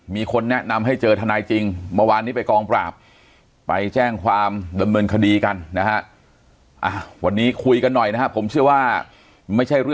มีคนแนะนำให้เจอทนายจริงเมื่อวานนี้ไปกองปราบไปแจ้งความดำเนินคดีกันนะฮะ